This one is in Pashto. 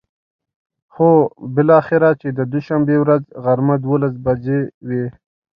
خو بلااخره چې د دوشنبې ورځ غرمه ،دولس بچې وې.